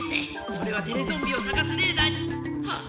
それはテレゾンビをさがすレーダーにハッ。